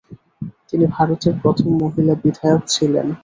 তিনি ভারতের প্রথম মহিলা বিধায়ক ছিলেন।